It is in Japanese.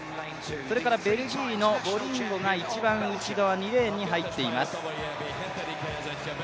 そしてベルギーのボリンゴが一番内側、２レーンに入っています。